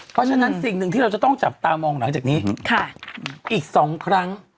เพราะฉะนั้นสิ่งหนึ่งที่เราจะต้องจับตามองหลังจากนี้อีก๒ครั้ง